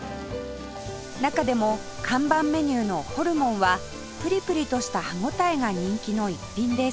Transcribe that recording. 中でも看板メニューのホルモンはプリプリとした歯応えが人気の逸品です